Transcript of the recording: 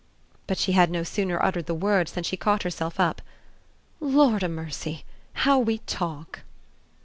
But she had no sooner uttered the words than she caught herself up. "Lord o' mercy, how we talk!"